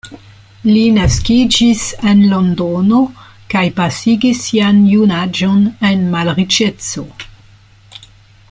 Li naskiĝis en Londono kaj pasigis sian junaĝon en malriĉeco.